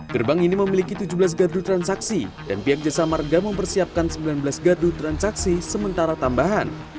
gerbang ini memiliki tujuh belas gardu transaksi dan pihak jasa marga mempersiapkan sembilan belas gardu transaksi sementara tambahan